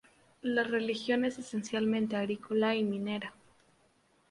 La región es esencialmente agrícola y minera.